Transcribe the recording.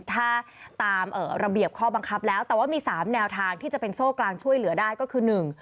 ถ้าตามระเบียบข้อบังคับแล้วแต่ว่ามีสามแนวทางที่จะเป็นโซ่กลางช่วยเหลือได้ก็คือหนึ่ง